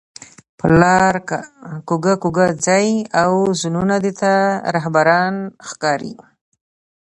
پر لار کاږه کاږه ځئ او ځانونه درته رهبران ښکاري